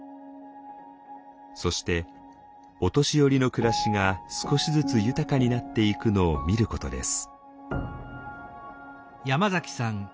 そしてお年寄りの暮らしが少しずつ豊かになっていくのを見ることです。